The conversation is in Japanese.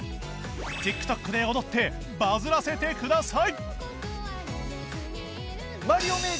ＴｉｋＴｏｋ で踊ってバズらせてください！